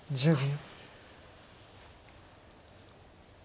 １０秒。